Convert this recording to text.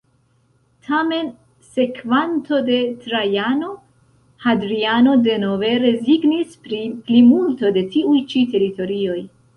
Tamen sekvanto de Trajano, Hadriano, denove rezignis pri plimulto de tiuj ĉi teritorioj.